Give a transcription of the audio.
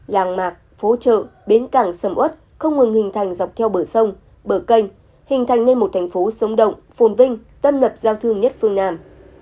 làng mạc phố chợ bến cảng sầm ớt không ngừng hình thành dọc theo bờ sông bờ canh hình thành nên một thành phố sống động phồn vinh tân lập giao thương nhất phương nam